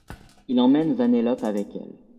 Il emmène Vanellope avec elle.